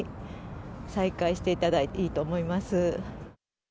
再開していただいていいと思います。